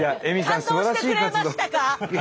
感動してくれましたか？